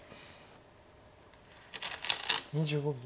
２５秒。